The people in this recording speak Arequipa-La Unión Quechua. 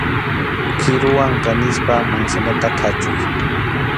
Kiruwan kanispa mansanata khachuy.